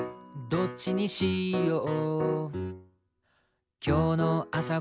「どっちにしよう？」